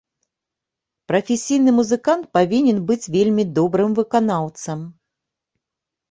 Прафесійны музыкант павінен быць вельмі добрым выканаўцам.